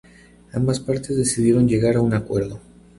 Ambas partes decidieron llegar a un acuerdo.